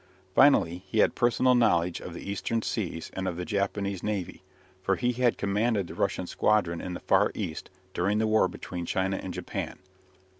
Finally he had personal knowledge of the Eastern seas and of the Japanese navy, for he had commanded the Russian squadron in the Far East during the war between China and Japan.